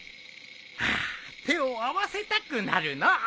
ああ手を合わせたくなるのう。